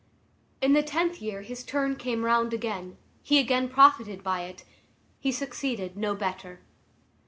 In the tenth year his turn came round again; he again profited by it; he succeeded no better.